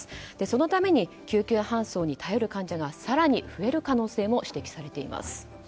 そのために、救急搬送に頼る患者が更に増える可能性も指摘されています。